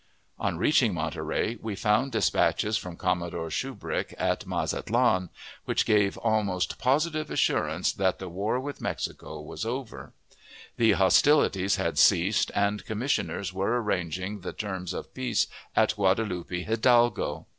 On reaching Monterey, we found dispatches from Commodore Shubrick, at Mazatlan, which gave almost positive assurance that the war with Mexico was over; that hostilities had ceased, and commissioners were arranging the terms of peace at Guadalupe Hidalgo.